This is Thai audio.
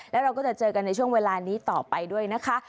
แล้วเราก็จะเจอกันในช่วงเวลานี้ต่อไปด้วยนะคะ